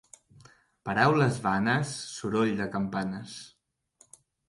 Paraules vanes, soroll de campanes.